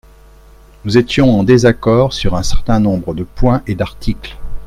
Nous étions en désaccord sur un certain nombre de points et d’articles.